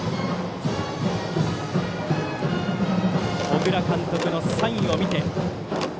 小倉監督のサインを見て。